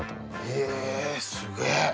へえすげえ。